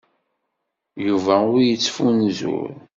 Yuba ur yettfunzur.